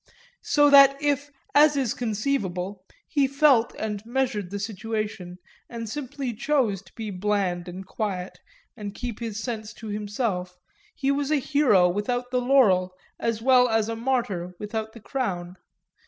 so that if, as is conceivable, he felt and measured the situation and simply chose to be bland and quiet and keep his sense to himself, he was a hero without the laurel as well as a martyr without the crown.